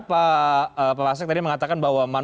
pak pasek tadi mengatakan bahwa